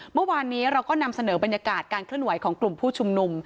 เมื่อวานนี้เราก็นำเสนอบรรยากาศการเคลื่อนไหวของกลุ่มผู้ชุมนุม